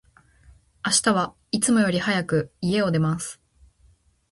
明日は、いつもより早く、家を出ます。